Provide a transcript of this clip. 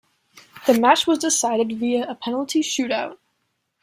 The match was decided via a penalty shoot out.